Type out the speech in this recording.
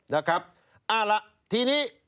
นะครับเอาล่ะทีนี้